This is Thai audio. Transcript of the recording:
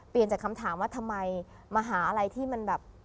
จากคำถามว่าทำไมมหาอะไรที่มันแบบ